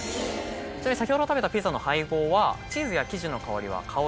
先ほど食べたピザの配合はチーズや生地の香りは「香り」。